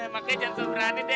makanya jangan berani